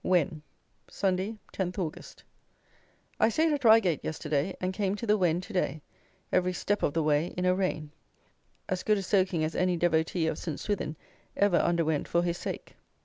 Wen, Sunday, 10th August. I stayed at Reigate yesterday, and came to the Wen to day, every step of the way in a rain; as good a soaking as any devotee of St. Swithin ever underwent for his sake.